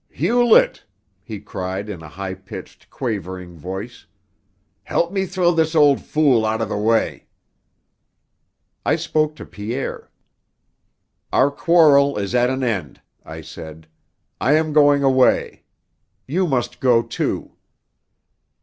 "Hewlett!" he cried in a high pitched, quavering voice, "help me throw this old fool out of the way." I spoke to Pierre. "Our quarrel is at an end," I said. "I am going away. You must go, too."